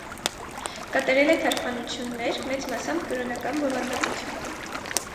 Կատարել է թարգմանություններ, մեծ մասամբ կրոնական բովանդակությամբ։